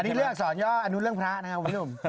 อันนี้เรื่องสอนย่ออันนู้นเรื่องพระนะครับวิลิวม